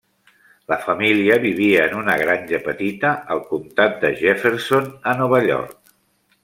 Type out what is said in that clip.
La família vivia en una granja petita al Comtat de Jefferson, a Nova York.